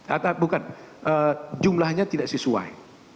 atau bukan jumlahnya tidak sesuai